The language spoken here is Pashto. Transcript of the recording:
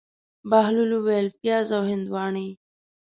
بهلول وویل: پیاز او هندواڼې.